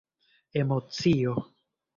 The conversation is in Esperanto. emocio